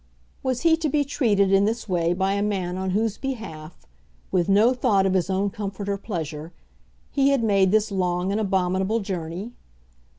Was he to be treated in this way by a man on whose behalf, with no thought of his own comfort or pleasure, he had made this long and abominable journey?